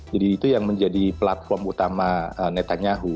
jadi itu yang menjadi platform utama netanyahu